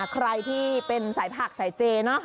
ใครที่เป็นสายผักสายเจเนอะ